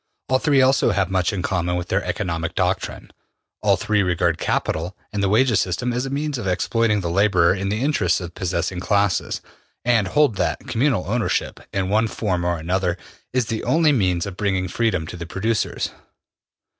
All three also have much in common in their economic doctrine. All three regard capital and the wages system as a means of exploiting the laborer in the interests of the possessing classes, and hold that communal ownership, in one form or another, is the only means of bringing freedom to the producers.